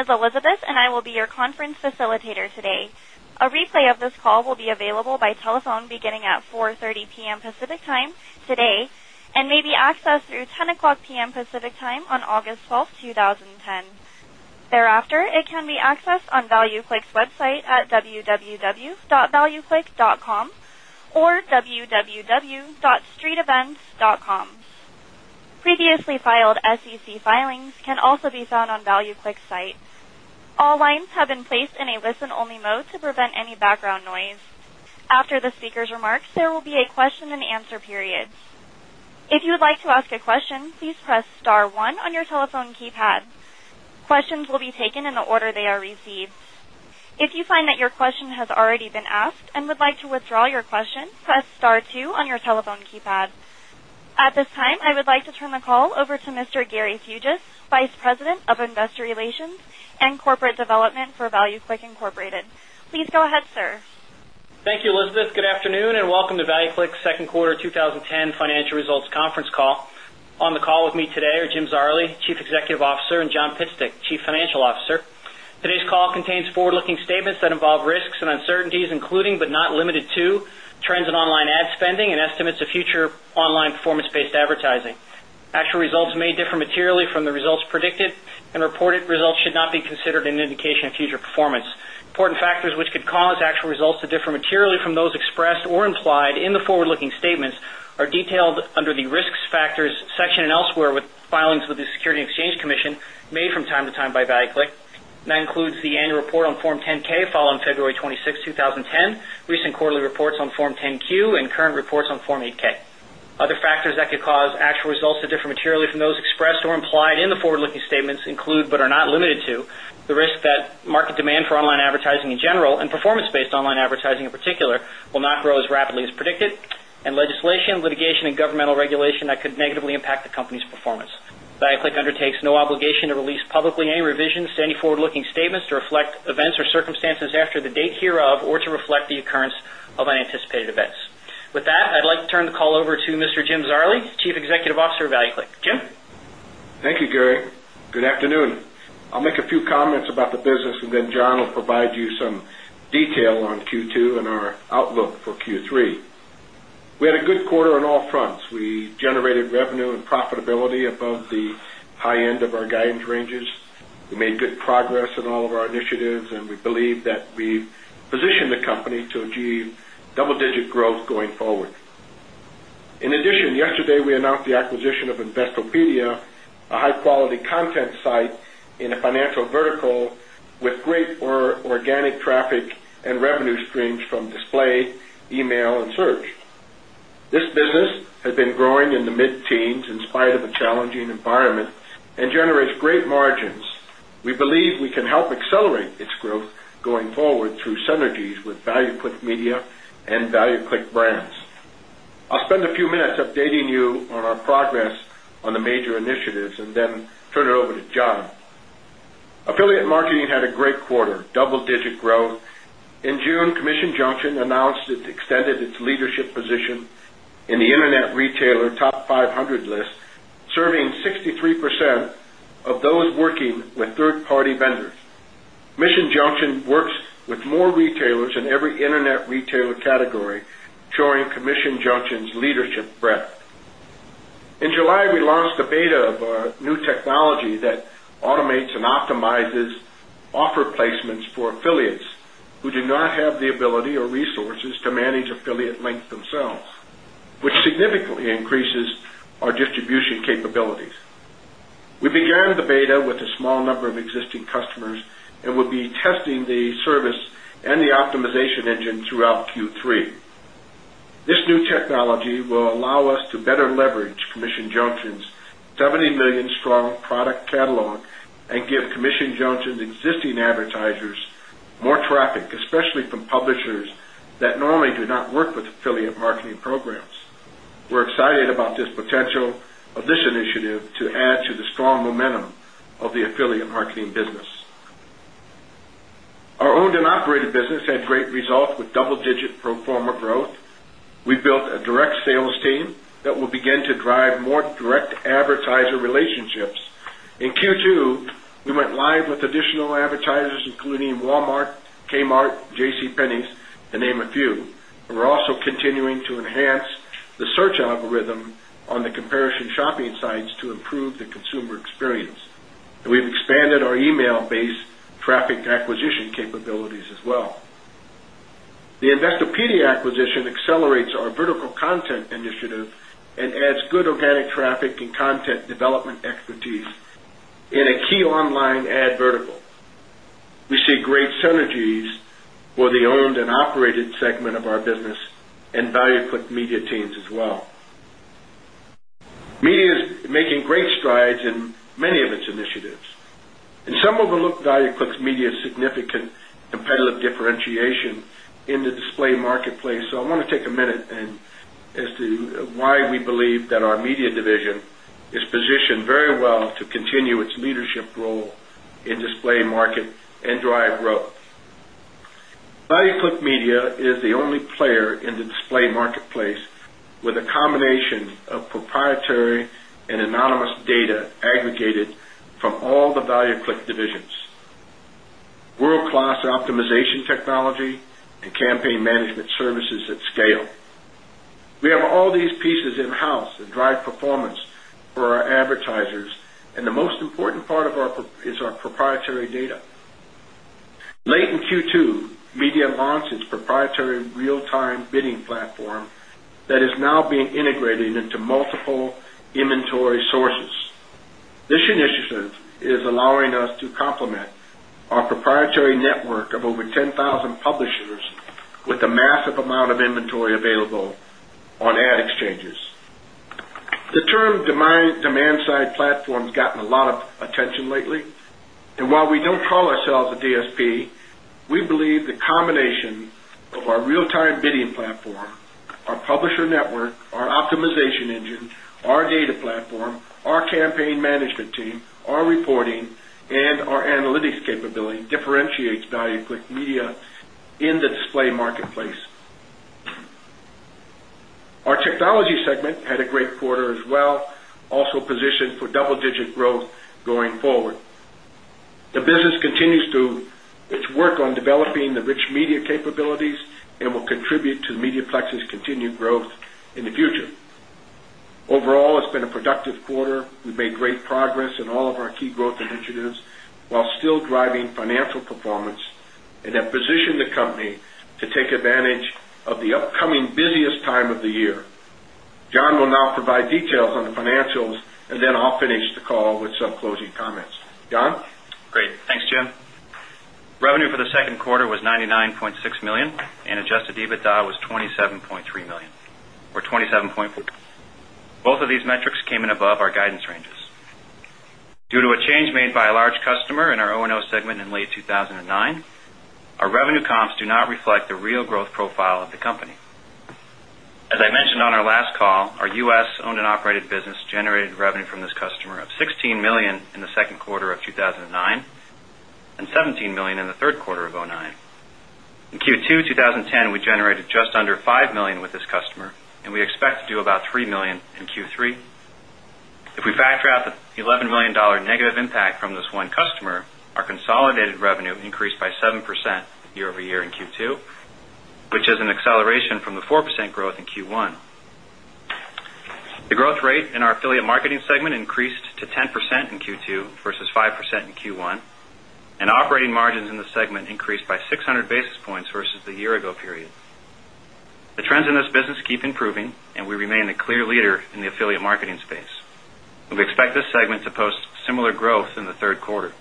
Please stand by. We're about to begin. Good day. Name is Elizabeth, and I will be your conference facilitator today. A replay of this call will be available by telephone beginning at 4:30 pm Pacific Time to today and may be accessed through 10 o'clock pm Pacific Time on August 12, 2010. Thereafter, it can be accessed ValuClick's website at www.valueclick.comorwww.street dotcom. Previously filed SEC filings can also be found on ValueClick site. All lines have been placed in a listen only mode to prevent any background noise. After the speakers' remarks, there will be a question and answer at this time, I would like to turn the call over to Mr. Gary Fuges, vice president of Investor Relations And Corporate Development for ValueClick Incorporated. Please go ahead, sir. Thank you, Elizabeth. Good afternoon, and welcome the ValueClick Second Quarter 2010 Financial Results Conference Call. On the call with me today are Jim Zarley, Chief Executive Officer and John Pittstick, Chief Financial Officer. Today's contains forward looking statements that involve risks and uncertainties, including, but not limited to, trends in online ad spending and estimates of future online performance based advertising. Results may differ materially from the results predicted and reported results should not be considered an indication of future performance. Important factors which could cause actual results or materially from those expressed or implied in the forward looking statements are detailed under the Risk Factors section and elsewhere with filings with the Securities made from time to time by ValueClick. That includes the annual report on Form 10 K following February 26, 2010, recent quarterly reports Form 10 Q and current reports on Form Eight K. Other factors that could cause actual results to differ materially from those expressed or implied in the forward statements include, and legislation litigation and governmental regulation that could negatively impact the company's performance. Biotech undertakes no obligation to release publicly any revisions forward looking statements to reflect events or circumstances after the date hereof or to reflect the occurrence of unanticipated events. With that, over to Mr. Jim Zarley, Chief Executive Officer of ValueClick. Jim? Thank you, Gary. Good afternoon. I'll make a few comments about the business, and then John will provide you some detail on Q2 and our outlook for Q3. We a good quarter on all fronts. We generated revenue and profitability above the high end of our guidance ranges. Made good progress in all of our initiatives, and we believe that we've positioned the company to achieve double digit growth going forward. In addition, we announced the acquisition of Investopedia, a high quality content site from display, email, and search. This business has been growing in the mid teens in spite of the challenging environment and generates great margins. We believe we can help accelerate its growth going forward through synergies with value put media and value the brands. I'll spend a few minutes updating you on our progress on the major initiatives and then turn it over to John. I feel Marketing Taylor Top 500 list, serving 63% of those working with 3rd party vendors. Mission junction works with more retailers in every internet retailer category, drawing commission junctions leadership breadth. In July launched a beta of a new technology that automates and optimizes offer placements for affiliates who do not have the the abilities. We began the beta with a small number of existing customers and we'll be testing the service and the optimization engine throughout Q3 This new technology will allow catalog and give commission junctions existing advertisers more traffic, especially from publishers that normally do not work with affiliate marketing programs. We're excited about this potential marketing business. Our owned and operated business had great results with double digit pro form a growth. We built a direct sales team that will begin to drive more direct advertiser relationships. In Q2, we went live with additional advertisers, including Walmart, Kmart, JC Penny's to name a few, and we're also continuing to enhance the search algorithm on the comparison shopping sites to improve the consumer experience. And we've expanded our email based traffic acquisition capabilities as well. The Investopedia acquisition accelerates our vertical content initiative and adds good organic traffic and content development expertise in a key line advertible. We see great synergies for the owned and operated segment of our business and value clip media teams as well. Media is making great strides in many of its initiatives. In some of value clicks media significant competitive differentiation in the display marketplace. So I want to take a minute and as why we believe that our media division is positioned very well to continue its leadership role in display market and drive buddy clip media is the only player in the display marketplace with a combination of proprietary and anonymous data aggregated from all the ValueClick divisions. World Class Optimization Technology to campaign management services at scale. We have all these pieces in house that drive performance for our advertisers and the most important part of platform that is now being integrated into multiple inventory sources. This initiative is allowing us to complement our proprietary network of over 10,000 publishers with a massive amount of inventory available on add exchanges. The term demand side platform has gotten a lot of attention lately. And while we don't call ourselves a ASP, we believe the combination of our real time bidding platform, our publisher network, our implementation engine, our data platform, our campaign management team, our reporting and our analytics capability differentiates value for media in the display marketplace. For double digit growth going forward. And will contribute to the Media Plex's continued growth in the future. Overall, it's been a productive quarter. We made great progress in all of our growth initiatives, while still driving financial performance and have positioned the company to take advantage of the upcoming busiest time of the year. John will now provide details on the financials and then I'll finish the call with some closing comments. John? Great. Jim. Revenue for the 2nd quarter was $99,600,000 and adjusted EBITDA was $27,300,000 or 20 7.4%. Both of these metrics came in above our guidance ranges. Due to a change made by a large customer in our O and O segment in late two 1009, our revenue comps do not reflect the real growth profile of the company. As I mentioned on our last call, our operated business generated revenue from this customer of $16,000,000 in the second quarter of 2000 and $917,000,000 in the third quarter of 'nine. In Q2, 20 we generated just under $5,000,000 with this customer and we expect to do about $3,000,000 in Q3. If we factor out the $11,000,000 negative impact from this one customer, our consolidated revenue increased by 7% year over year in Q2, which is an acceleration from the 4% growth in Q1. The growth rate in our affiliate marketing segment increased versus the year ago period. The trends in this business keep improving and we remain a clear leader in the affiliate marketing space. We expect this segment to post similar growth in the third quarter.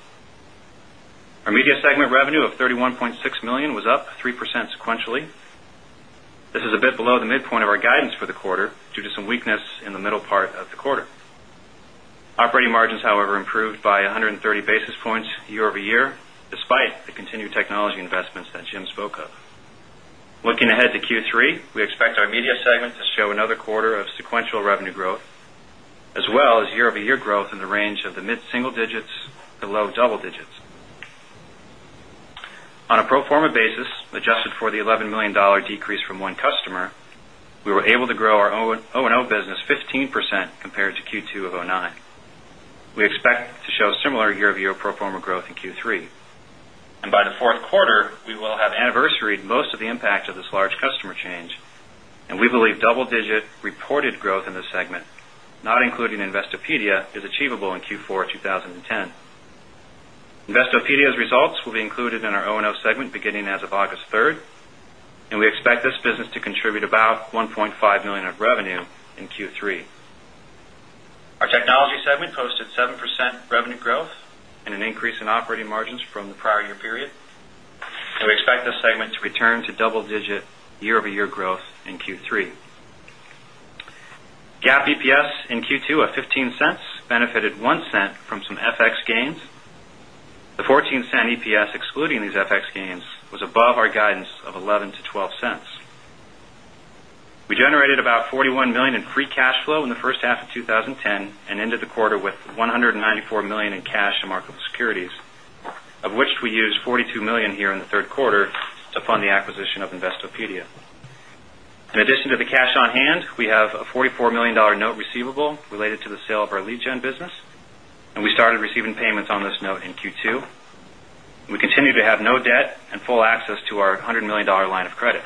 Our media segment revenue of $31,600,000 was up 3% sequentially. This is below the midpoint of our guidance for the 30 basis points year revenue a pro form a basis adjusted for percent compared to Q2 first quarter, we will have anniversaried most of the impact of this large customer change, and we believe double digit reported growth in this segment, not in including Investopedia is achievable in q42010. Investopedia's results will be included in our O and O segment beginning as of August 3rd, and we expect this business to contribute about 1,500,000 of revenue in Q3. Our Technology segment posted 7% revenue growth and an increase in operating margins from the prior in Q2 of $0.15 benefited $0.01 from some FX gains. The $0.14 EPS excluding these FX gains was above our guidance of 11 to 12¢. We generated about $41,000,000 in free cash flow in the first half of twenty and ended the quarter with 194,000,000 topedia. In addition to the cash on hand, we have a $44,000,000 note receivable related to the sale of our lead gen business, and we started receiving payments on the note in Q2. We continue to have no debt and full access to our $100,000,000 line of credit.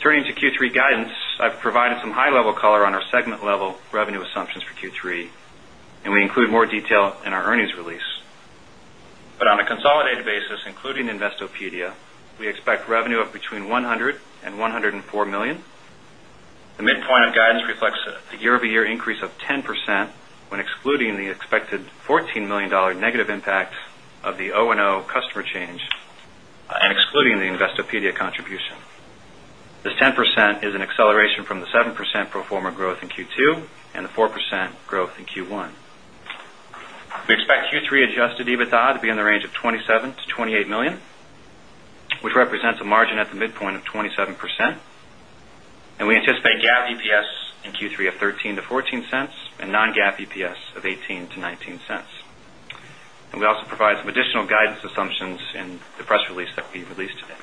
Turning to Q3 guidance, I've provided some high level color on our segment level revenue assumptions for Q3, and we include more detail in our earnings release. But on a consolidated basis, including the Investo we expect revenue of between $100,000,000 $104,000,000. The midpoint of guidance reflects a year over year increase of 10% when excluding the expected $14,000,000 negative impact of the O and O customer change, and excluding the Investo PD contribution. This 10% is an acceleration from the 7% pro form a growth in Q2 and the 4% growth in Q1. Expect Q3 adjusted EBITDA to be in the range of $27,000,000 GAAP EPS in Q3 of $0.13 to $0.14 and non GAAP EPS of $0.18 to $0.19. And we also provide some additional guidance assumptions in the press release that we released today.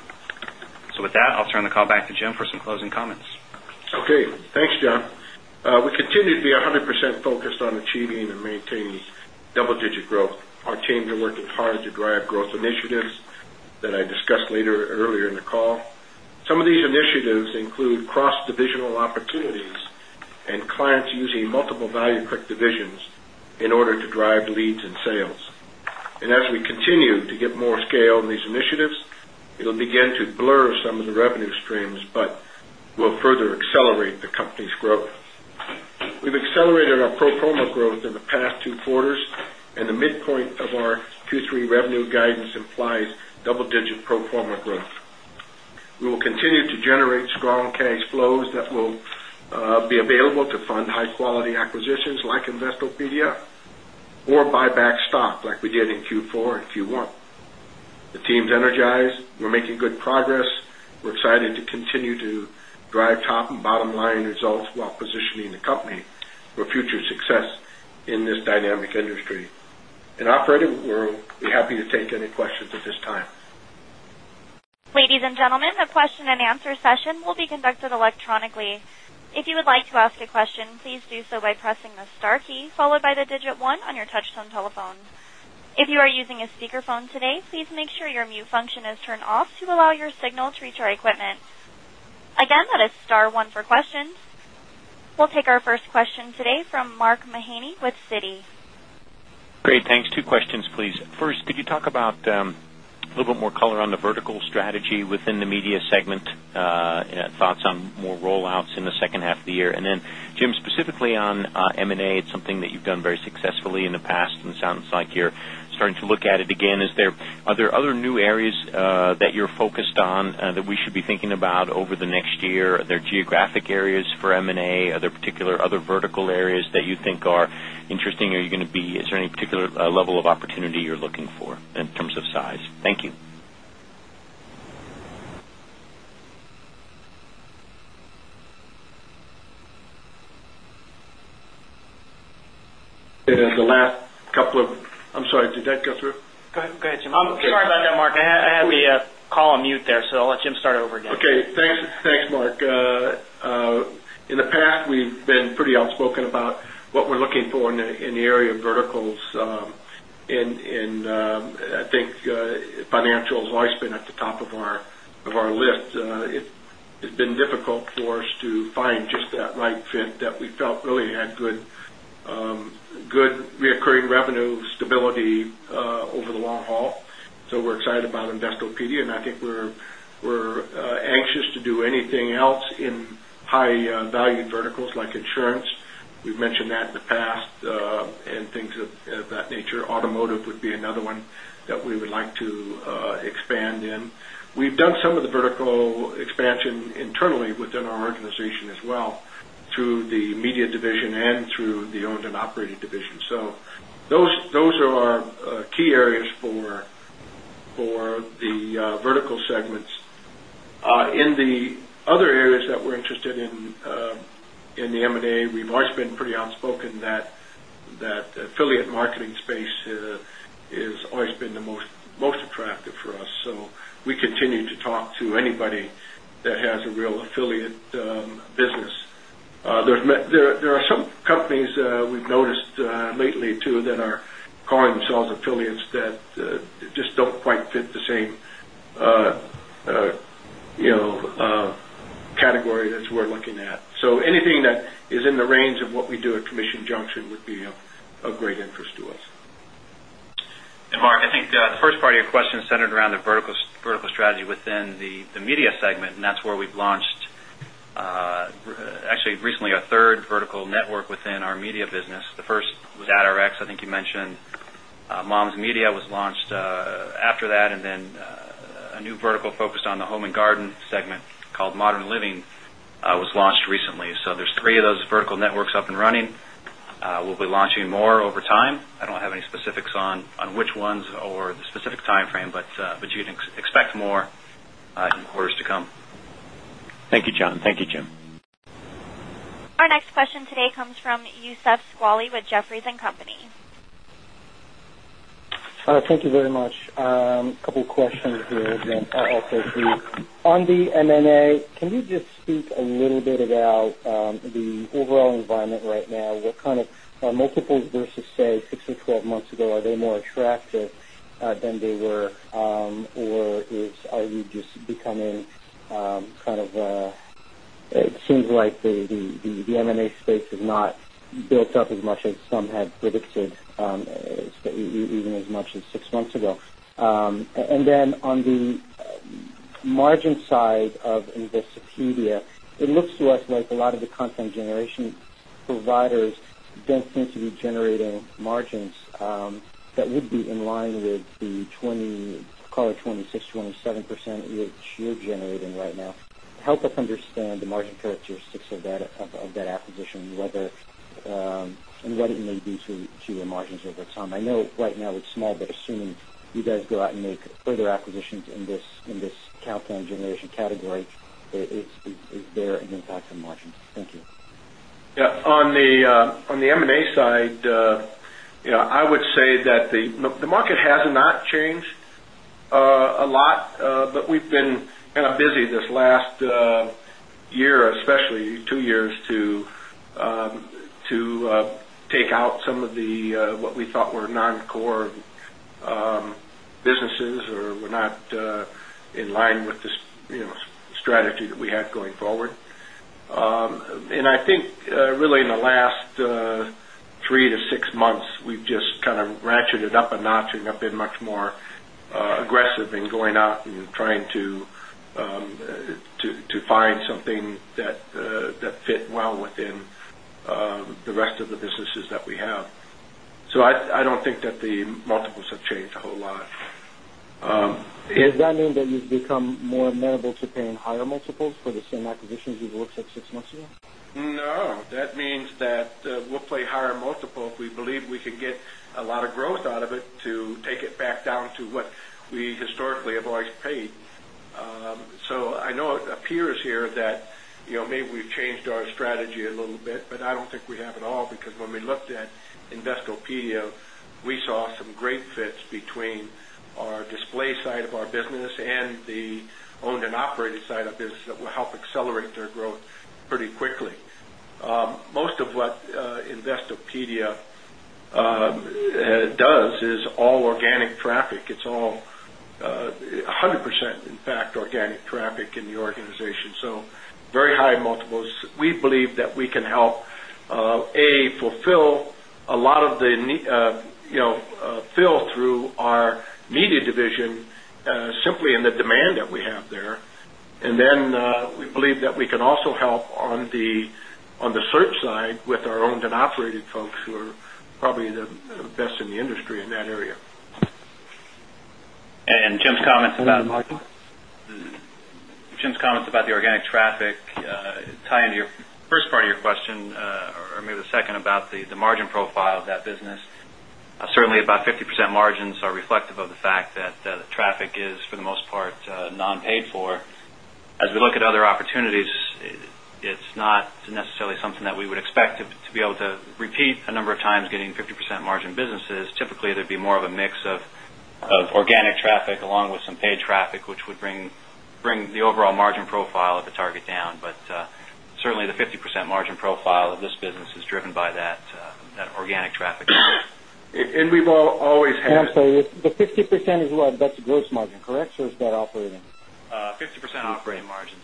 So with that, I'll turn the call back to Jim for some closing comments. Okay. Thanks, John. We continue to be 100 percent focused on achieving and maintaining double digit growth. Our teams are working hard to drive growth initiatives. I discussed later earlier in the call. Some of these initiatives include cross divisional opportunities and clients using multiple you quick divisions in order to drive leads and sales. And as we continue to get more scale on these initiatives, it'll begin to blur some of the revenue but will further accelerate the company's growth. We've accelerated our pro form a growth in the past 2 quarters and the midpoint of or 8 strong cash flows that will, be available to fund high quality acquisitions like Investopedia or by back stock like we did in Q4 and Q1. The teams energized. We're making good progress. We're excited to continue to drive bottom line results while positioning the company for future success in this dynamic industry. It ready, we'll be happy to take any questions at this you. We'll take first question today from Mark Mahaney with Citi. Great. Thanks. Two questions, please. First, did you talk about a little bit more on the vertical strategy within the media segment, thoughts on more rollouts in the second half of the year. And then, Jim's specifically on M and A, it's something that you've done very successfully in the past and sounds like you're starting to look at it again. Are there other new areas that your focus on that we should be thinking about over the next year? Are there geographic areas for M and A, other particular, other vertical areas that you think are interesting? Are you going to there any particular level of opportunity you're looking for in terms of size? Thank you. It is the last couple of I'm sorry. Did that go through? Go ahead, Jim. I'm sorry about that, Mark. I had to call on mute there. So I'll let Jim start over again. Okay. Thanks, Mark. In the past, we've been pretty outspoken about what we're looking for in the area of verticals in, financials' lifespan at the top of our list, it's been difficult for us to find that right fit that we felt really had good, good reoccurring revenue stability, over the long haul. So we're excited about Pedia. And I think we're, we're, anxious to do anything else in high valued verticals like insurance. We've mentioned that in the past, and things of that nature. Automotive would be another one that we would like to expand in. We've done some of the vertical expand internally within our organization as well through the media division and through the owned and operated division. So those are our key areas for the, vertical segments, in the other areas that we're interested in, the M and A, we've always been pretty outspoken that, that affiliate marketing space is always been the most attractive for us. So we continue to talk to anybody that has a real affiliate business. There's there are some companies, we've noticed lately than our card and sales affiliates that just don't quite fit the same, category as we're looking at. So anything that is in the range of what we do at Commission Junction would be a great first to us. And, Mark, I think, the first part of your question is centered around the verticals vertical strategy within the the media segment. And that's where we've launched, actually recently our 3rd vertical network within our media business. The first was AtRx. I think you mentioned and Mom's media was launched, after that, and then, a new vertical focused on the Home And Garden segment called Modern Living was launched recently. So there's 3 of those vertical networks up and running. We'll be launching more over time. I don't have any specifics on, on which ones or the specific frame, but you can expect more in quarters to come. Thank you, John. Thank you, Jim. Our questions. On the M and A, can you just speak a little bit about the overall environment right now? What kind of are multiples versus say or 12 months ago, are they more attractive than they were, or is are you just becoming I'm kind of, it seems like the the the the M and A space is not built up as much as some had limited, even as much as 6 months ago. And then on the margin side, of Investopedia. It looks to us like a lot of the content generation providers don't seem to be generating margins, that would be in line with the 20 call it 26, 27 percent each you're generating right now. Help us understand the margin characteristics of that of of that acquisition whether, and what it may be to to your margins over time. I know right now it's small, but assuming you guys go out and make further acquisition in this in this Calpine generation category, it's it's it's there and impacts on margins. Thank you. Yeah. On the, on the M and A I'd, you know, I would say that the the market has not changed, a lot, but we've been kinda busy this last year, especially 2 years to, to take out some of the, what we thought were core, businesses or were not, in line with this, you know, strategy that we had going forward. And I think really in the last 3 to 6 months, we've just kind of ratcheted up a notch in been much more aggressive in going out and trying to, to find something that fit well within the rest of the businesses that we have. So I don't think that the multiples have changed a whole lot. Does that mean that you've become more amenable to paying higher multiples for the same acquisitions you've worked at 6 months ago? No. That means that, we'll play higher multi we believe we can get a lot of growth out of it to take it back down to what we historically have always paid. So I know it appears here that, you know, maybe we've changed our strategy a little bit, but I don't think we have at all because when we looked at Investopedia, we saw some great fits between our display side of our business and the owned and operated side of business that will help accelerate their growth pretty quickly. Most of what, Investopedia, does is all our organic traffic. It's all, 100% in fact, organic traffic in the organization. So very multiples. We believe that we can help, a, fulfill a lot of the fill through our needed division, simply in the demand that we have there. And then, we believe that we can also help on the on a search side with our owned and operated folks who are probably the best in the industry in that area. Jim's comments about the organic traffic tie into your or maybe a second about the the margin profile of that business. Certainly about 50% margins are reflective of the fact that, traffic is for the most part, non paid for. As we look at other opportunities, it's not necessarily something that we would expect to be able to repeat a number of getting 50% margin businesses, typically there'd be more of a mix of of organic traffic along with some paid traffic, which would bring bring the overall margin profile of the target down, but, certainly, the 50% margin profile of this business is driven by that, that organic traffic And we will always have I'm sorry. The 50% is what? That's the gross margin. Correct? Or is that operating? 50% operating margins.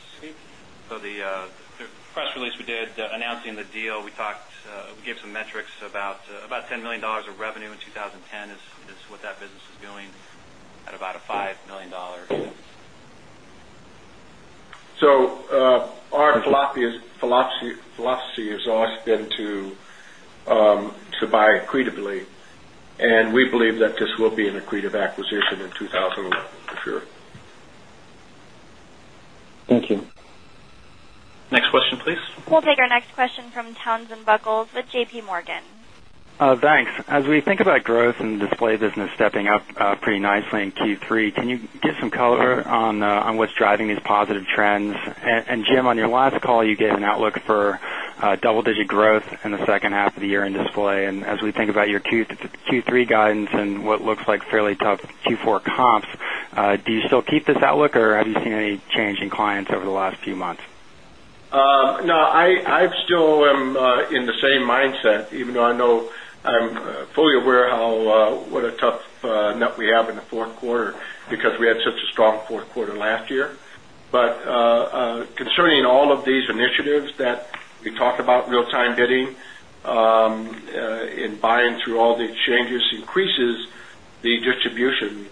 So the the press release we did announcing the deal. We talked, we gave some metrics about about $10,000,000 of revenue in 20 is is what that business is doing at about a $5,000,000. So, our philosophy is philosophy glossy has always been to, to buy accretively. And we believe that this will be accretive acquisition in 2011 for sure. Thank you. Next question, please. We'll take our next question from Townsend Buckles with JP Morgan. Thanks. As we think about growth in display business stepping up pretty nicely in Q3, can you give some color on what's driving these positive trends. And Jim, on your last call, you gave an outlook for double digit growth in the half of the year in display. And as we think about your Q3 guidance and what looks like fairly tough Q4 comps, do you still keep the outlook or have you seen any change in clients over the last few months? No, I I've still am, in the same mindset, even though I know I'm full aware how, what a tough net we have in the fourth quarter because we had such a strong 4th quarter last year. But, concerning all of these that we talk about real time bidding, in buying through all the changes increases the distribution.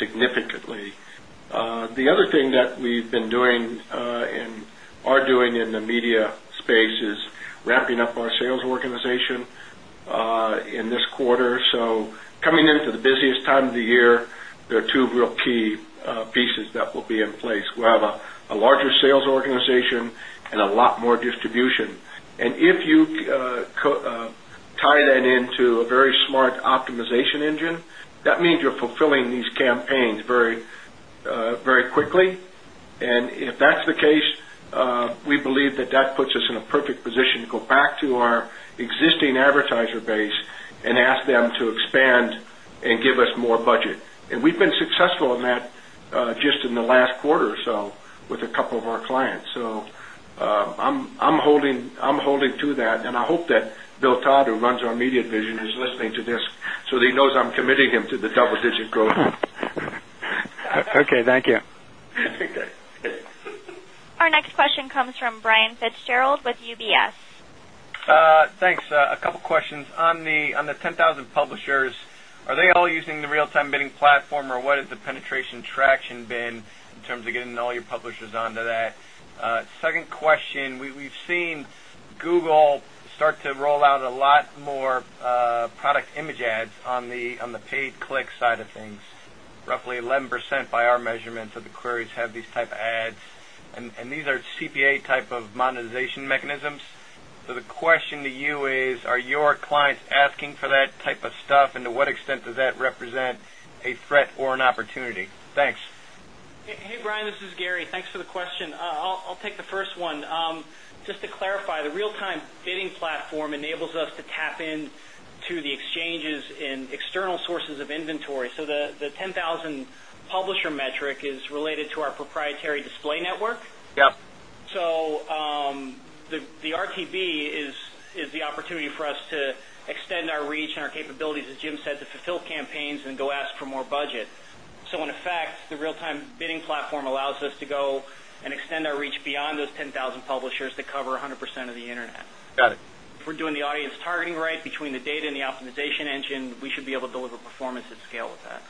Significantly. The other thing that we've been doing, and are doing in the media space is wrap up our sales organization, in this quarter. So coming into the busiest time of the year, there are 2 key pieces that will be in place. We have a larger sales organization and a lot more distribution. And if you co tie that into a very smart optimization engine. That means you're fulfilling these campaigns very, very quickly. And if that's the case, we believe that that puts us in a perfect position to go back to our existing advertiser base and ask them expand and give us more budget. And we've been successful in that, just in the last quarter or so with a couple of our clients. So, I'm holding, I'm holding to that. And I hope that Bill Todd who runs our immediate vision, who's listening to this, so he knows I'm committing him to the double digit Our next question comes from Brian Fitch Arold with UBS. Thanks. A couple of questions. On the on the 10,000 publishers, are they all using the real time bidding platform or what is the penetration track in bin in terms of getting all your publishers on to that. Second question, we we've seen Google start to roll out a lot more, product image ads on the on the paid click side of things, roughly 11% by our measurements of the query have these type of ads. And and these are CPA type of monetization mechanisms. So the question to you is, are your clients asking for that of stuff and to what extent does that represent a threat or an opportunity? Thanks. Hey, hey, Brian. This is Gary. Thanks for the question. I'll I'll take the first one. Just to clarify, the real time bidding platform enables us to tap into the exchanges in external of inventory. So the the 10,000 publisher metric is related to our proprietary display network. Yep. So the the RTB is is the opportunity for us to extend our reach and our capabilities as Jim said to campaigns and go ask for more budget. So in effect, the real time bidding platform allows us to go and extend our reach those 10,000 publishers to cover a 100 percent of the internet. Got it. If we're doing the audience targeting right between the data and the optimization engine, we should be able to deliver asset scale with that.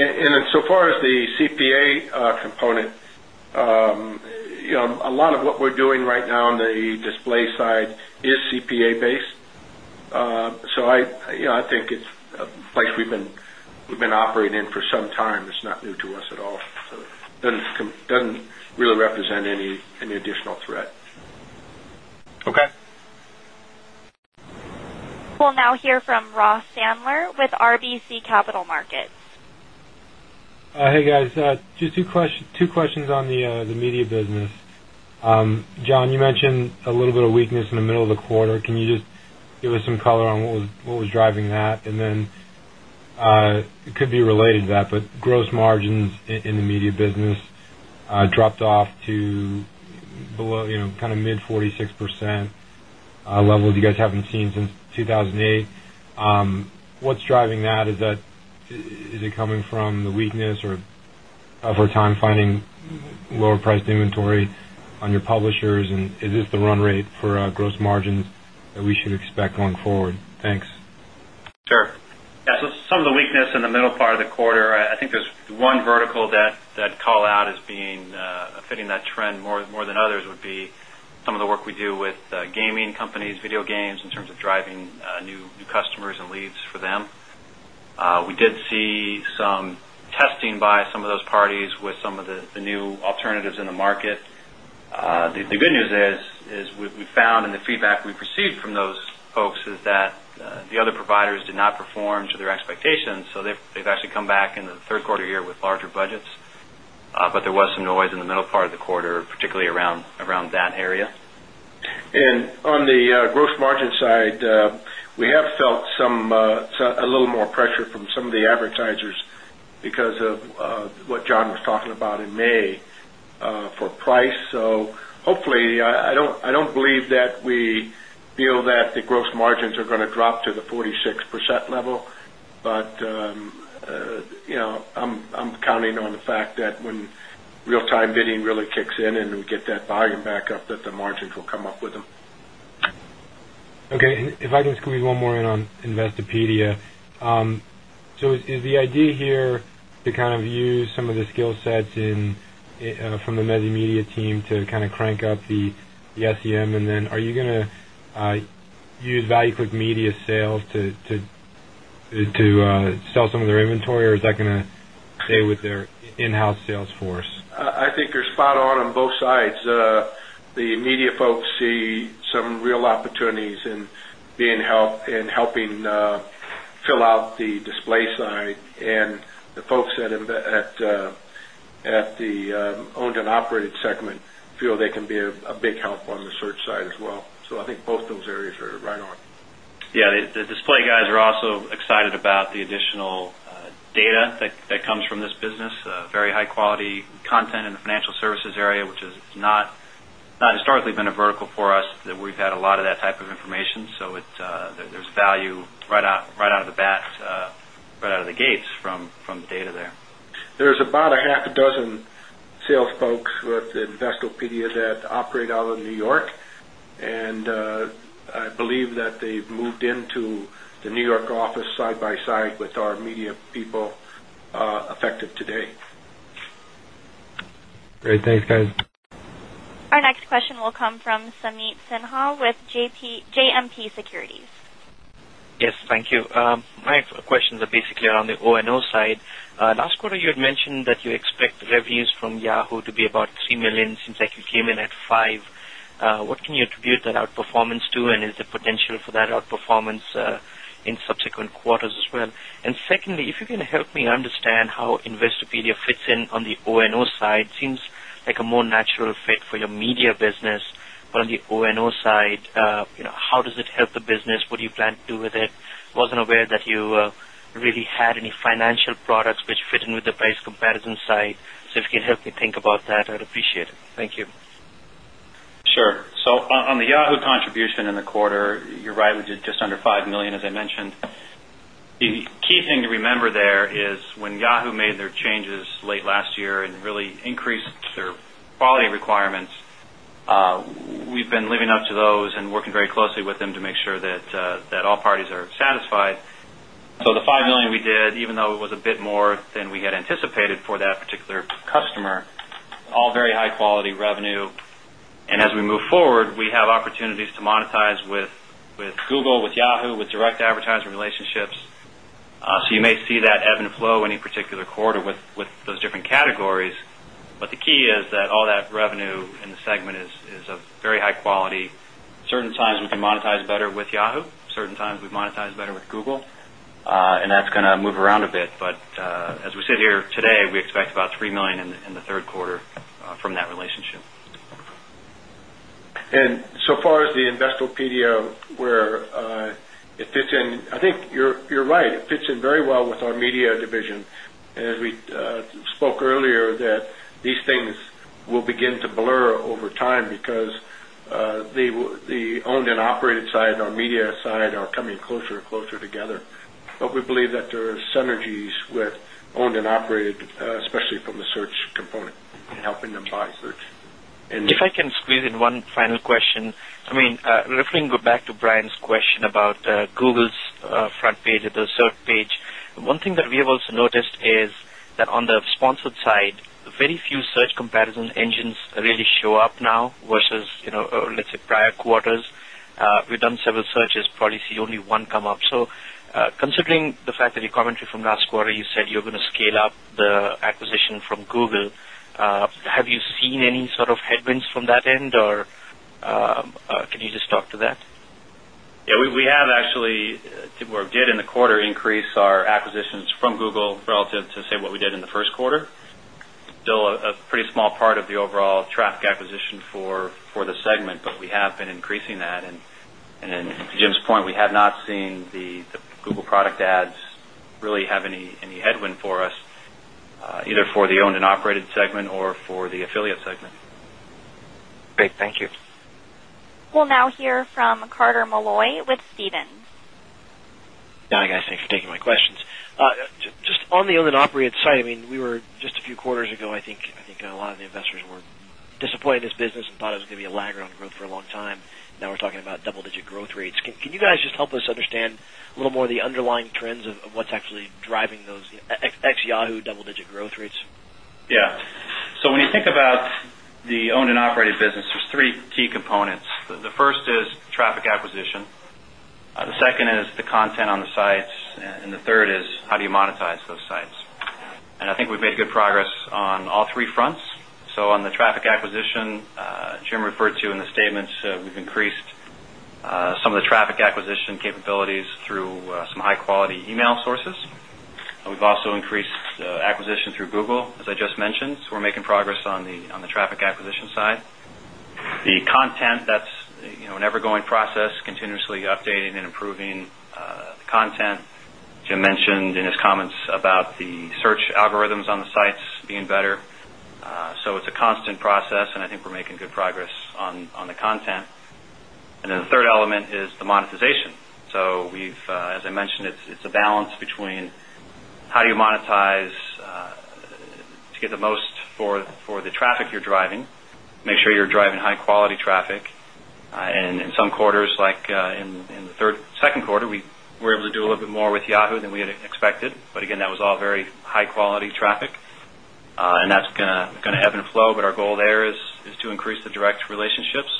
And and so far as the CPA component, you know, a lot of what we're right now on the display side is CPA base. So I, you know, I think it's like we've been operating in for some time. It's not new to us at all. So it doesn't really represent any additional threat. We'll now hear from Ross Sandler with RBC Capital Markets. Hey, guys. Just two questions on the the media business. John, you mentioned a little bit of weakness in the middle of the quarter. Can you just give us some color on what was is driving that. And then, it could be related to that, but gross margins in the media business dropped off to below, kind of, mid 46% level that you guys haven't seen since 2008. Driving that? Is that is it coming from the weakness of our time finding lower priced inventory on your publishers? And is this the run rate for gross margins that we should expect going forward? Sure. Yeah. So some of the weakness in the middle part of the quarter, I I think there's one vertical that that call out is being, fitting that trend more than others would be some of the work we do with, gaming companies, video games in terms of driving, new new customers and leads for them. We do did see some testing by some of those parties with some of the the new alternatives in the market. The good news is is we found the feedback we've received from those folks is that, the other providers did not perform to their expectations. So they've they've actually come back in the third quarter year with larger budgets. But there was some noise in the middle part of the quarter, particularly around that area. And on the gross margin side, we have felt some, a little more pressure from some of the advertisers because of what John was talking about in May, for price So hopefully, I don't believe that we feel that the gross margins are going to drop to the 46% level. But, you know, I'm counting on the fact that when real time bidding really kicks in and we get that volume back up the margins will come up with them. Okay. And if I can squeeze 1 more in on Investopedia, so is the idea here to kind of use some of the skill sets from the media team to kind of crank the SEM. And then, are you gonna, use value quick media sales to, to, to, sell some of their inventory or is that going to stay with their in house sales force? I think you're spot on on both sides. The meat folks see some real opportunities in being help in helping, fill out the displaced side and the folks at the at the owned and operated segment feel they can be a big help on the search side as well. So I think both those areas are right on. Yeah. The the display guys are also excited about the additional, data that that comes from this business. Very high quality content in the financial services area, which is not not historically been a vertical for us that we've had a lot of that type of information. So it's, there's value right out right out of the bat, right out of the gates from from data there. There's about a half a dozen sales folks with the Investopedia Debt operator in New York. And, I believe that they've moved into the York office side by side with our media people, effective today. Great. Thanks, guys. Our next question will come from Sameet Sinha with JMP Securities. My question is on the O and O side. Last quarter, you had mentioned that you expect revenues from Yahoo to be about $3,000,000 since I came in at $5,000,000. What can you attribute outperformance to and is there potential for that outperformance in subsequent quarters as well? And secondly, if you can help me understand how Investopedia fits on the O and O side seems like a more natural fit for your media business, but on the O and O side, how does it the business? What do you plan to do with it? Wasn't aware that you really had any financial products which fit in with the price comparison side. So can help me think about that, I'd appreciate it. Thank you. As I mentioned. The key thing to remember there is when Yahoo made their changes late last year and really increased or quality requirements, we've been living up to those and working very closely with them to make sure that, that all parties are satisfied. The 5,000,000 we did, even though it was a bit more than we had anticipated for that particular customer, all very high quality revenue and we move forward, we have opportunities to monetize with with Google, with Yahoo, with direct advertising relationships. So you may see that and flow any particular quarter with with those different categories. But the key is that all that revenue in the segment is is a very high quality. Certain times, we monetize better with Yahoo. Certain times, we've monetized better with Google, and that's gonna move around a bit. But, as we sit here, today, we expect about $3,000,000 in the third quarter, from that relationship. And so far as the Investo PDO where, it fits in, I think you're, you're right. It fits in very well with our media division. As we, spoke earlier that these things will begin to blur over time because, they they owned and operated side, our media side are coming or closer together, but we believe that there are synergies with owned and operated, especially from the search component in helping them buy search. And I can squeeze in one final question. I mean, referring back to Brian's question about Google's front page search page. One thing that we have also noticed is that on the sponsored side, very few search comparison engines really show up now. Versus, let's say, prior quarters, we've done several searches, probably see only one come up. So, considering the fact that you commentary from last quarter, you said you're gonna scale up the acquisition from Google. Have you seen any sort of headwinds from that end? Or, can you just talk to that? Actually did in the quarter increase our acquisitions from Google relative to say what we did in the first quarter, still a pretty small part of the overall acquisition for for the segment, but we have been increasing that. And and to Jim's point, we have not seen product ads really have any any headwind for us, either for the owned and operated segment or for the affiliate segment. Great. Thank you. We'll now hear from Carter Malloy with Stephens. Just on the operate site. I mean, we were just a few quarters ago. I think I think a lot of the investors were disappointed in this business and thought it was going to be a lag around growth for a long time. Now we're talking about double digit growth rates guys just help us understand a little more of the underlying trends of what's actually driving those ex Yahoo double digit growth rates? Yes. So when you think about the owned and operated business, there's 3 key components. The first is traffic acquisition. The the second is the content on the sites and the third is how do you monetize those sites? And I think we've made good progress on all three fronts. So on the traffic acquisition, Jim referred to in the statements. We've increased, some of the traffic acquisition capabilities through some high quality outsources. And we've also increased the acquisition through Google, as I just mentioned. So we're making progress on the on the traffic acquisition side. The content that's, you know, an ever going process continuously updating and improving, the content. Jim mentioned in his comments about out the search algorithms on the sites being better. So it's a constant process, and I think we're making good progress on on the content. And then the 3rd element is the monetization. So we've, as I mentioned, it's it's a balance between how do you monetize, to get the most for for the traffic you're driving. Make sure you're driving high quality traffic, and in some quarters, like, in in the 3rd second quarter, we were able to do a little bit more with Yahoo than we had expected. But again, that was all very high quality traffic, and that's going to ebb and flow, but our goal there is to increase the direct relationships.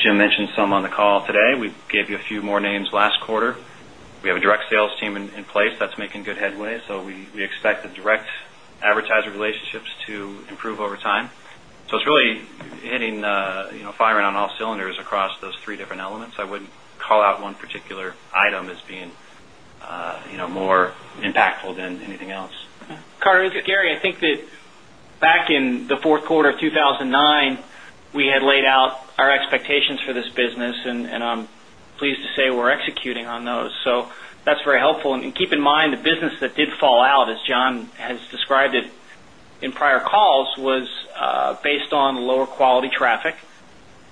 Jim mentioned some on the call today. We gave you a few more names last quarter. We have a direct sales team in in place that's making good headway. So we we expect the direct advertiser relationships to improve over time. So it's really hitting, you know, firing on all cylinders across those 3 different elements. I wouldn't call out one particular item as being, know, more impactful than anything else. Carter, Gary, I think that back in the fourth quarter of 2009, we had laid out our expectations for this business and I am pleased to say we are executing on those. So that's very helpful. And keep in mind the business did fall out as John has described it in prior calls was, based on lower quality traffic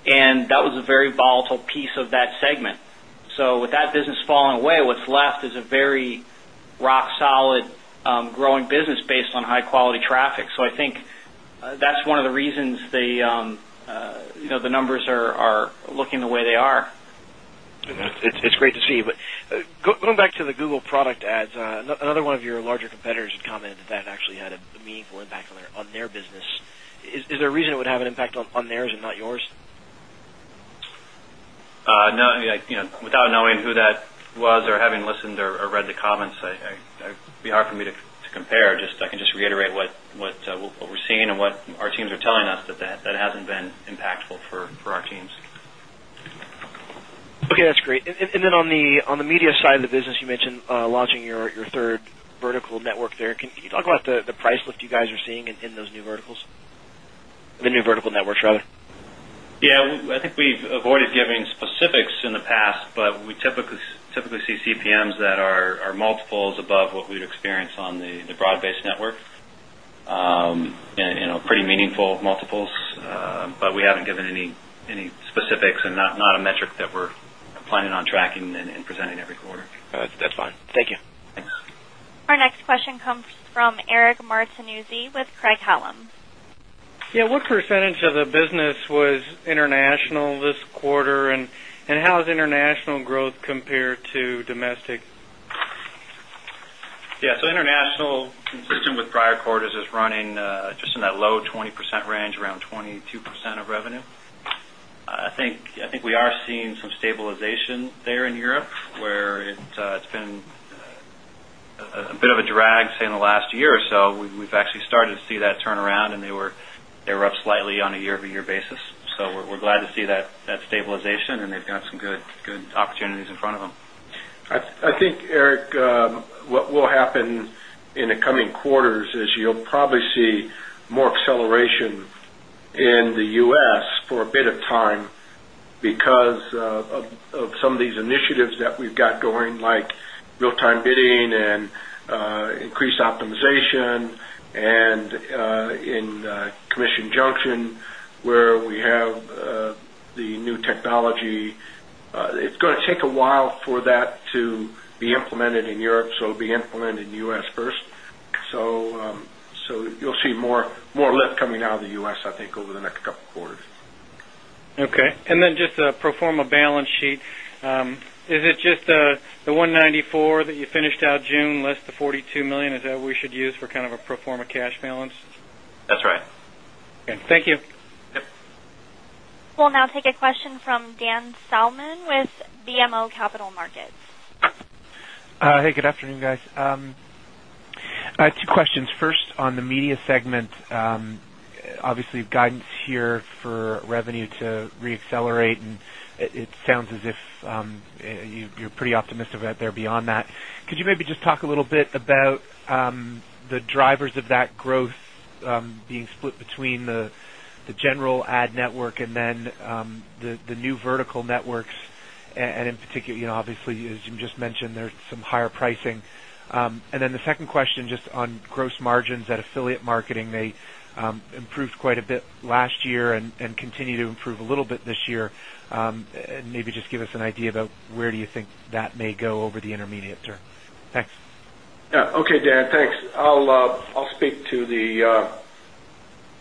and that was a very volatile piece of that segment. So with that business falling away, what's left is a very rock solid growing business based on high quality traffic. So I think that's one of the reasons they, you know, the numbers are are looking the way they are. It's great to see. But going back to the Google product adds, another one of your larger competitors had commented that actually had a meaningful impact on their business. Is there would have an impact on on theirs and not yours? No. I, you know, without knowing who that was or having listened or read the comments, it would be hard for me to compare. Just I can just reiterate what what we're seeing and what our teams are us that that that hasn't been impactful for for our teams. Okay. That's great. And and then on the on the PSI in the business you mentioned, launching your your 3rd vertical network there. Can can you talk about the the price lift you guys are seeing in in those new verticals? The new vertical networks rather? Yeah. I think we've avoided giving specifics in the past, but we typically typically see CPMs that our multiples above what we would experience on the the broad based network, you know, pretty meaningful multiples. But we haven't given any any specifics and not not a metric that we're planning on tracking and presenting every quarter. That's fine. Thank you. Thanks. Our next question comes from Eric Martinuzzi with Craig Hallum. Yes, what percentage of the business was international this quarter and is international growth compared to domestic? Yeah. So international consistent with prior quarters is running, just in that low 20% range, around 22% of revenue. I think we are seeing some stabilization there in Europe, where it it's been a bit of a drag say in the last year or so. We've actually started to see that turn around and they were they were up slightly on a year over year basis. So we're we're glad to see that that stabilization and they've got some good good opportunities in front of them. I think, Eric, what will happen in the coming quarters is you'll probably see more acceleration in the US for a bit of time because of some of these initiatives that we've got like real time bidding and, increased optimization and, in, commission junction where we have the new technology, it's going to take a while for that to be implemented in Europe. So be implemented in U. S. First. So, so you'll see more lift coming out of the U. S. I think over the next couple of quarters. Okay. And then just a pro form a balance sheet. Is it just the 194 that you finished out June less the $42,000,000? Is that we should use for kind of a of cash with BMO Capital Markets. Hey, good afternoon, guys. Two questions. First, on the media segment, guidance here for revenue to reaccelerate and it sounds as if you're pretty optimistic about there beyond that. Could you maybe just a little bit about, the drivers of that growth being split between the general ad network and then the new vertical networks. And in particular, obviously, as you just mentioned, there's some higher pricing. And then the second question, just on gross margins at affiliate marketing. They improved quite a bit last year and continue to improve a little bit this year. Maybe just give us an idea about where do you think that may go the intermediate, sir. Thanks. Okay, Dan. Thanks. I'll I'll speak to the,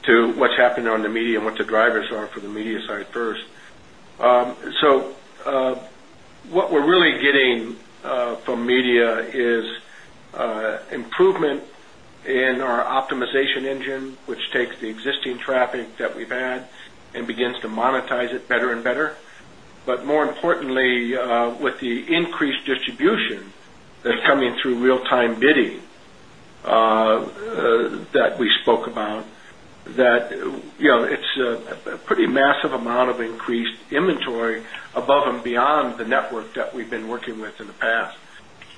to what's happened on the media and what the drivers are for the media side first. So, what we're really getting media is, improvement in our optimization engine, which takes the existing traffic that we've had and begins to monetize it better and better. But more importantly, with the increased distribution that's mean through real time bidding, that we spoke about, that, you know, it's a pretty massive amount of being increased inventory above and beyond the network that we've been working with in the past.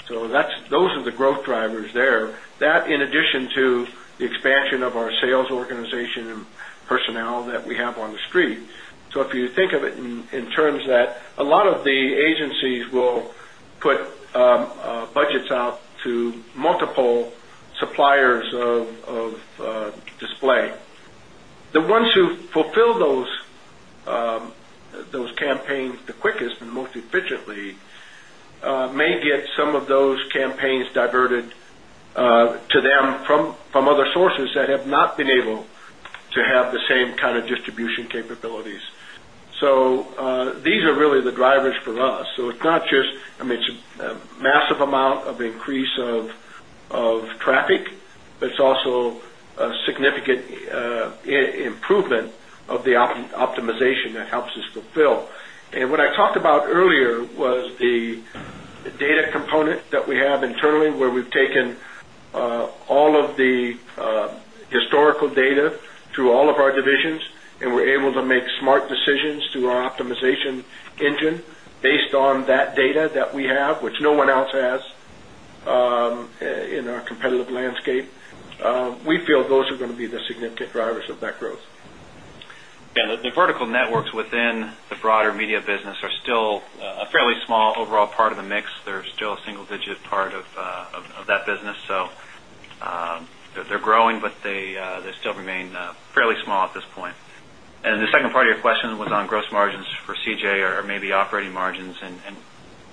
So that's those are the growth drivers there that in addition to the expansion of our sales organization and personnel that we have on the street. So if you think of it in terms that a lot of agencies will put, budgets out to multiple suppliers of of, display. Ones who fulfill those, those campaigns, the quickest and most efficiently, may get some of those things diverted, to them from, from other sources that have not been able to have the same kind of distribution capabilities. So, These are really the drivers for us. So it's not just, I mean, it's a massive amount of increase of traffic but it's also a significant improvement of the optimization that helps us fulfill. And when I talked earlier was the data component that we have internally where we've taken, all of the, historical data through all of our divisions and we're able to make smart decisions through our optimization engine based on that data that we have, which no one else has, in our competitive landscape. We feel those are going to be the significant drivers of that growth. The vertical networks within the broader media business are still a fairly small overall part of the mix. They're still a single digit part of, of that business. So, they're they're growing, but they, they still remain fairly small at this point. And the second part of your question was on gross margins for CJ are maybe operating margins. And and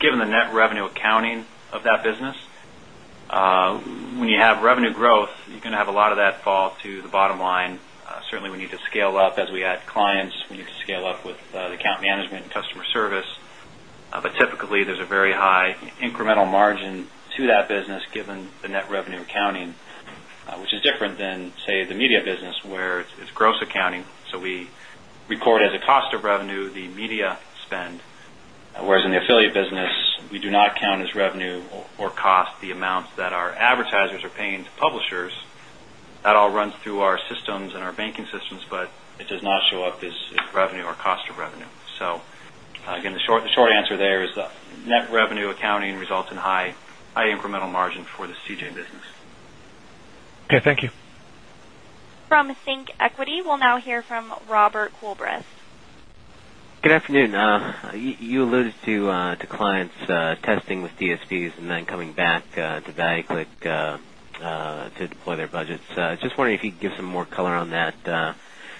given the net revenue accounting of that business, when you have revenue growth, you can have a lot of that to the bottom line. Certainly, we need to scale up as we add clients. We need to scale up with the account management and customer service, but typically, there's a very high incremental margin to that business given the net revenue accounting, which is different than, say, the media business where it's gross accounting, we record as a cost of revenue, the media spend. Whereas in the affiliate business, we do not count as revenue or cost the amounts that our advertisers are paying to publishers at all runs through our systems and our banking systems, but it does not show up is is revenue or cost of revenue. So, again, the short the short answer there is the net revenue accounting results in high high incremental margin for afternoon. You alluded to, to clients, testing with DSPs, and then coming back, to the point budgets. Just wondering if you could give some more color on that.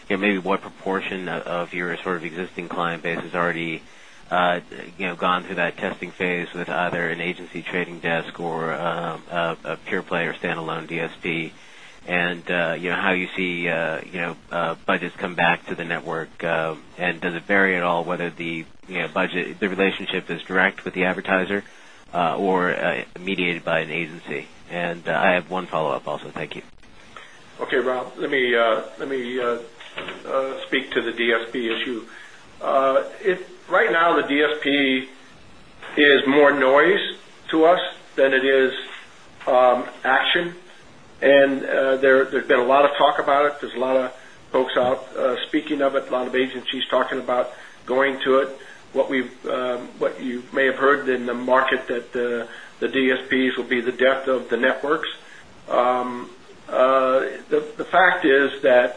Maybe what proportion of your sort of existing client base has already gone through testing phase with either an agency trading desk or a pure play or standalone DSP and how you see, budgets come back to the network? And does it vary at all whether the budget the relationship is direct with the advertiser or remediated by an agency. And, I have one follow-up also. Thank you. Okay, Rob. Let me, let me, speak to the DSP issue. Right now, the DSP is more noise. Us than it is, action and there has been a lot of talk about it. There has a lot of folks out, speaking of it, a lot of agents he's talking about going to it. What we've, what you may have heard in the market that the DSPs will be the depth of the networks. The fact is that,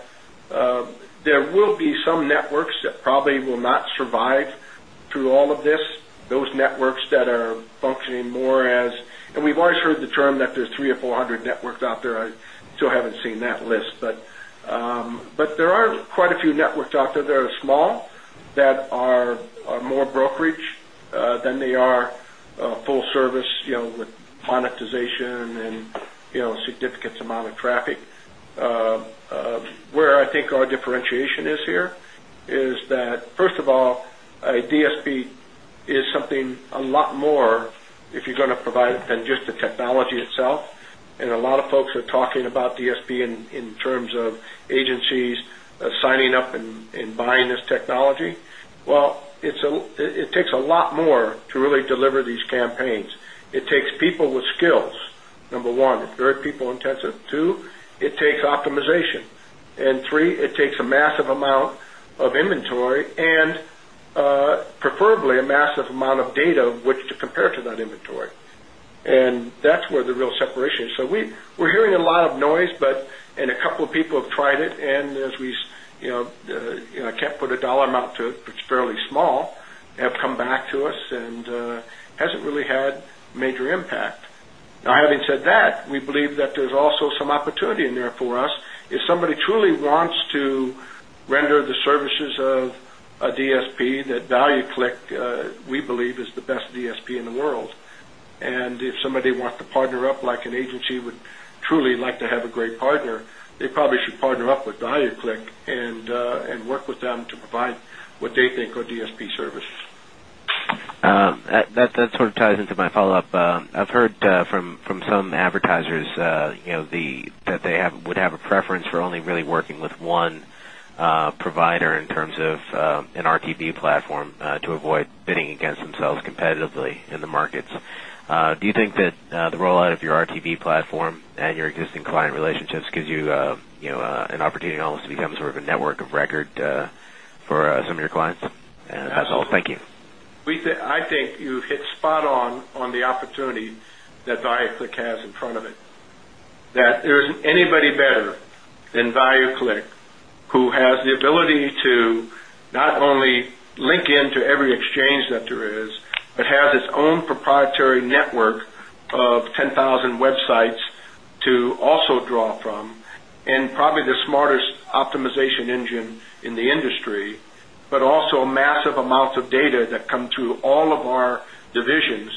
there will be some networks they will not survive through all of this. Those networks that are functioning more as and we've already heard term that there's 300 or 400 networks out there. I still haven't seen that list, but, but there are quite a few networks out there. Small that are more brokerage than they are full service, you know, with monetization and, you know, significant amount of traffic, where I think our differentiation is here is that, 1st of all, a DSP is something a lot more if you're gonna provide a pen just the technology at south and a lot of folks are talking about DSP in terms of agencies signing up and buying this tech technology. Well, it takes a lot more to really deliver these campaigns. It takes people with skills. Number 1, people intensive. 2, it takes optimization. And 3, it takes a massive amount of inventory and preferably a massive amount of data, which to compare to that inventory. And that's where the real separation is. So we, we're hearing a lot of noise, but in a where people have tried it. And as we, you know, I can't put a dollar amount to, it's fairly small, have come back to us and hasn't really had major impact. Now having said that, we believe that there's also some opportunity in there for us in somebody truly wants to render the services of a DSP that ValueClick, we believe is the best DSP in the world. And if somebody wants to partner up like an agency would truly like to have a great partner, they probably should partner up with the HireClick and work with them to mind what they think of DSP service. That sort of ties into my follow-up. I've heard, from some advertisers, the that they have would have a preference for only really working with one provider in terms of in our platform to avoid bidding against themselves competitively in the markets. Do you think that the rollout of your RTB platform and your existing client relationships because you, you know, an opportunity almost becomes sort of a network of record, for some of your clients. As well. Thank you. We I think you hit spot on on the opportunity that Diet the CAS in front of it. That there's anybody better than BioClick, who has the ability to not only link into every exchange that is it has its own proprietary network of 10,000 websites to also draw from and probably this artist optimization engine in the industry, but also massive amounts of data that come through all of our divisions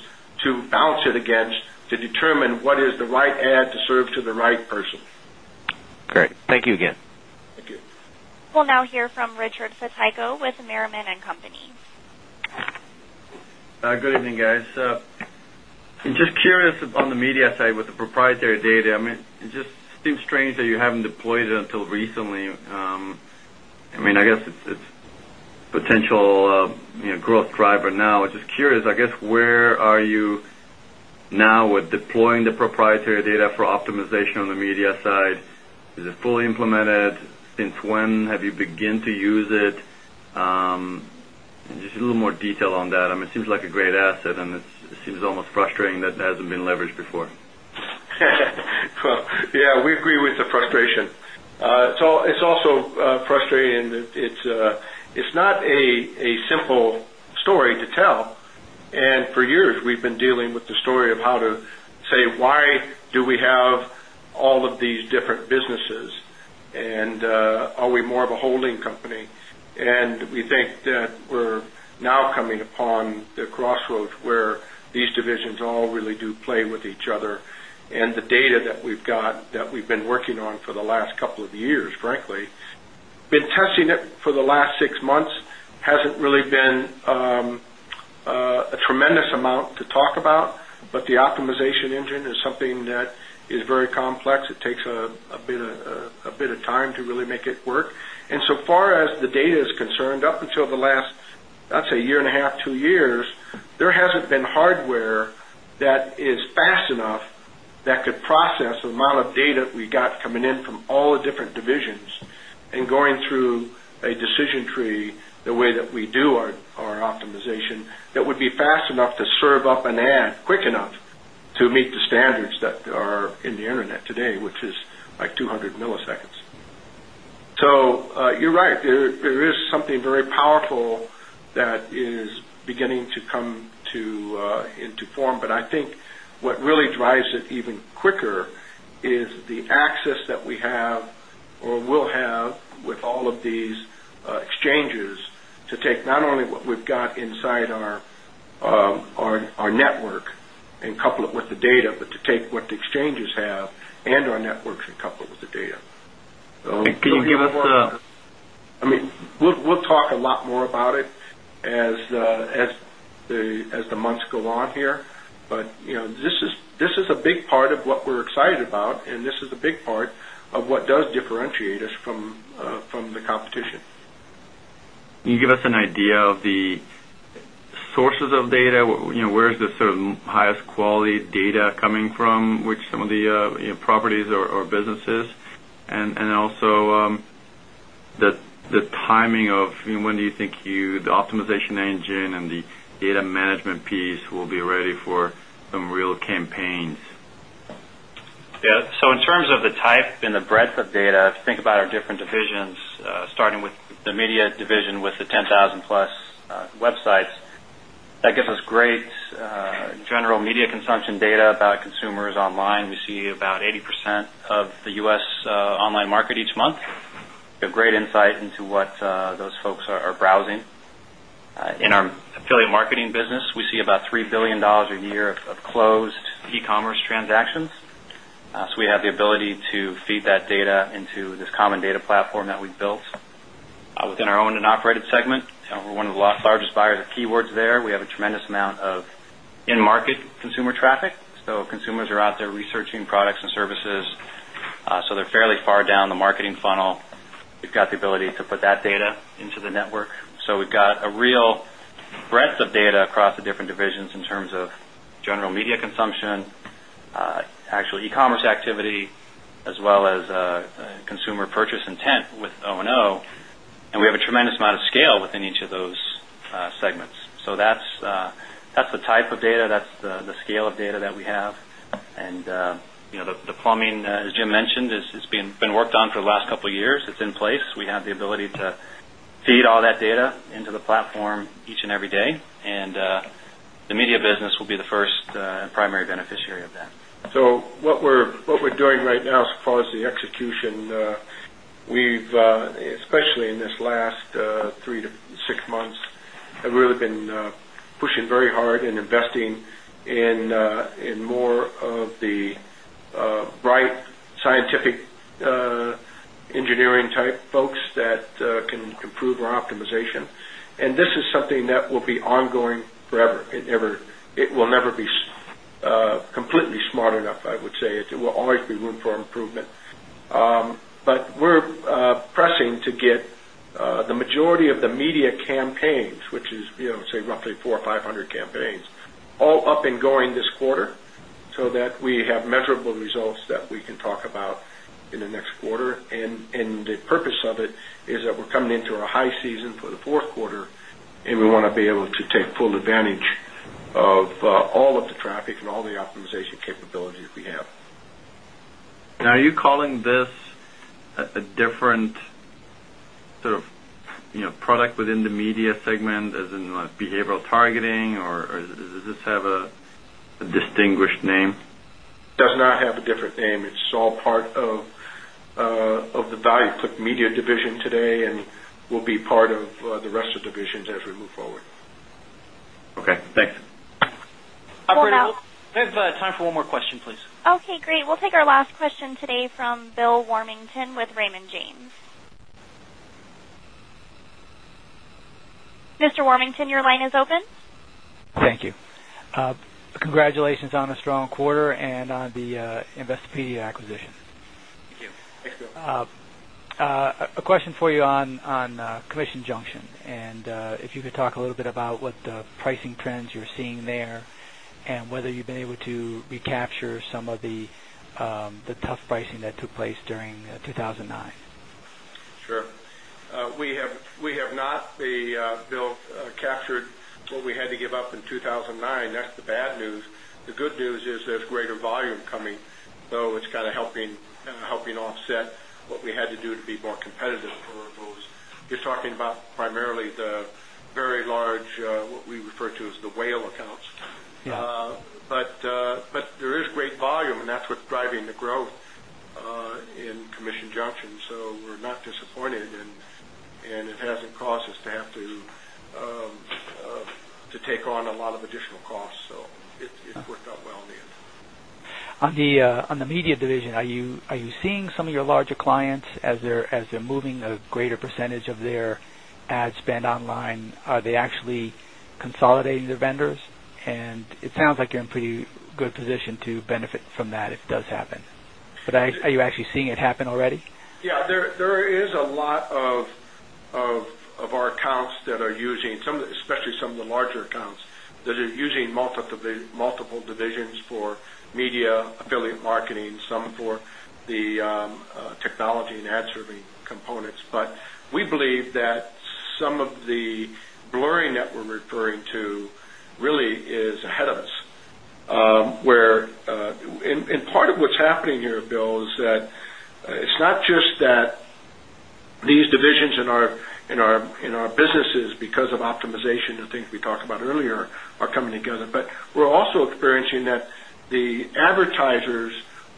bounce it against to determine what is the right ad to serve to the right person. Great. Thank you again. Thank you. We'll now hear from Richard Satayco with Merriman And Company. Good evening guys. And just is on the media side with the proprietary data. I mean, it just seems strange that you haven't deployed it until recently. I mean, I guess it's it's put you know, growth driver now. I was just curious, I guess, where are you now with deploying the proprietary data for optimization on the media side. Is it fully implemented? Since when have you begin to use it? Just a little more detail on that. I mean, it seems like a great asset and it seems almost frustrating that hasn't been leveraged before. Yes, we agree with frustration. It's also frustrating. It's not a simple story to tell. And for years, we've been dealing with the story of how to say why do we have all of the different businesses and, are we more of a holding company? And we think that we're now coming upon Crossroads where these divisions all really do play with each other. And the data that we've got that we've been working on for the last couple of years, frankly, testing it for the last 6 months hasn't really been, a tremendous amount to talk about, but the implementation engine is something that is very complex. It takes a bit of time to really make it work. And so far as the data is concerned up, till the last, let's say, year and a half, two years, there hasn't been hardware that is fast enough that could process updated we got coming in from all the different divisions and going through a decision tree, the way that we do our optimization, that would be fast enough to serve up an ad quick enough to meet the standards that are in the internet today, which is like 200 milliseconds. So you're right. There is something very powerful that is beginning to come to, into form, but I what really drives it even quicker is the access that we have or will have with all of these exchanges to take not only what we've got inside our, our network in couple of the data, but to take what the exchanges have and our networks are coupled with the data. So And can you give us the I mean, we'll talk a lot more about it as, as the months go on here, but this is a big part of what we're excited out. And this is a big part of what does differentiate us from, from the competition. Can you give us an idea of the sources of data, where is the certain highest quality data coming from, which some of the, properties are businesses. And and also, the the timing of, you know, when do you think you the optimization engine and the data management piece will be ready for some real campaigns. Terms of the type and the breadth of data, think about our different divisions, starting with the media division with the 10,000 plus sites. That gives us great, general media consumption data about consumers online. We see about 80% of the US online market each month. They have great insight into what, those folks are are browsing. In our affiliate marketing business, we about $3,000,000,000 a year of closed e commerce transactions. So we have the ability to feed that data into this common data platform that we've built. Within our owned and operated segment, and we're one of the largest buyers of keywords there. We have a tremendous amount of in March consumer traffic. So consumers are out there researching products and services. So they are fairly far down the marketing funnel. We have got the ability to put that data into the network. Consumption, actual ecommerce activity, as well as, consumer purchase intent with O and O. And we tremendous amount of scale within each of those, segments. So that's, that's the type of data. That's the scale of data that we have. And, yeah, the plumbing, as Jim mentioned, has been worked on for the last couple of years. It's in place. We have the ability to feed all that data into the platform each and every day. And, the media business will be the 1st, primary beneficiary of that. So what we're what we're doing right now as far as the execution, we've, especially in this last, 3 to 6 months, have really been pushed very hard in investing in, in more of the, bright scientific engineering type boat that can improve our optimization. And this is something that will be ongoing forever. It never it will never be completely smart enough, I would say. It will always be room for improvement. But we're, pressing to give the majority of the media campaigns, which is, you know, say roughly 4 or 500 campaigns, all up and going this quarter so that we have the results that we can talk about in the next quarter. And the purpose of it is that we're coming into our high season for the fourth quarter, and we want to be able take full advantage of, all of the traffic and all the optimization capabilities we have. Calling this a different sort of product within the media segment as in behavioral being or or does this have a a distinguished name? It does not have a different name. It's all part of of the value put media division today and will be part of the rest of divisions as we move forward. Okay. Thanks. Our have time for one more question, please. Okay. Great. We'll take our last question today from Bill Warmington with Raymond James. Mister Warmington, your line is open. Thank you. Congratulations on a strong quarter and on the, Investopedia acquisition. Thank you. Thanks, Bill. A question for you on commission junction. And if you could talk a little bit about what the pricing trends you're seeing there and whether you've been able to recapture some of the the tough pricing that took place during 2009? Sure. We have we have not the Bill, captured what we had to give up in 2009. That's the bad news. The good news is there's greater volume coming, though it's helping helping offset what we had to do to be more competitive for repose. You're talking about primarily the very large, what we to as the whale accounts. But, but there is great volume, and that's what's driving the growth, in commissioned junctions, so we're not disappointed. And and it hasn't caused us to have to, to take on a lot of additional costs. So it's it's worked up well in the end. On the, on the media division, are you are you seeing some of your larger clients as they're as they're moving a greater percentage of their ad spend online, are they actually consolidating their vendors? And it sounds like you're in pretty good position to from that, it does happen. But I are you actually seeing it happen already? Yeah. There there is a lot of of of our accounts that are using some especially some of the larger accounts that are using multiple divisions for media, affiliate marketing, some for the technology and ad serving components. But we believe that some of the blurring that we're referring to really is ahead of us, where, in part of what's happening here, Bill, is that it's not just that these divisions in our, in our businesses because of optimization and things we talked about earlier are coming together. But we're also mentioning that the advertisers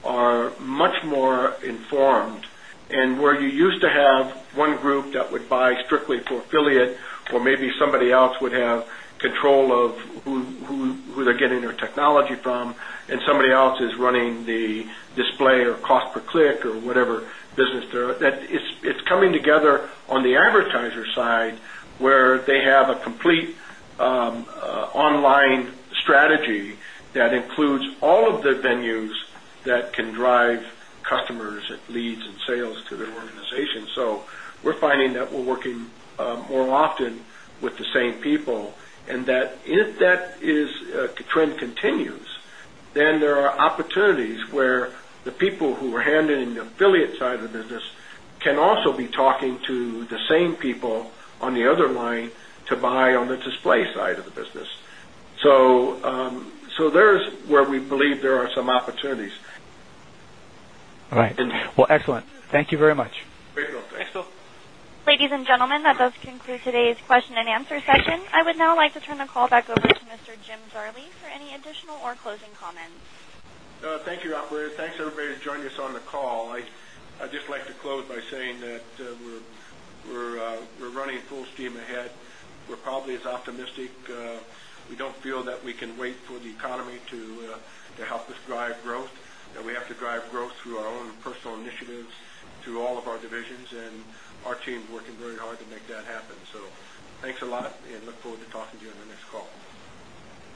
are much more informed and where you used to have one group that would buy strictly affiliate or maybe somebody else would have control of who they are getting their technology from and somebody else is running the display or cost per or whatever business there. It's coming together online strategy that includes all of the venues that can drive customers leads and sales to their organization. So we're finding that we're working, more often with the same people and that is a trend continues. Then there are opportunities where the people who are handing the affiliate side of the business can also be talking to the same these. Ladies and gentlemen, that does conclude today's question and answer I would now like to turn the call back over to Mr. Jim Zarlie for any additional or closing comments. Thank you, operator. Thanks everybody to join us on the call. I I just like to close by saying that we're we're, we're running a full steam ahead. We're probably as optimistic, We don't feel that moves to all of our divisions, and our teams working really hard to make that happen. So thanks lot and look forward to talking to you in the next call.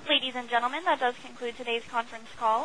Ladies and gentlemen, that does conclude today's conference call and